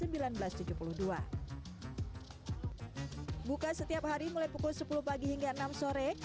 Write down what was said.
buka setiap hari mulai pukul sepuluh pagi hingga enam sore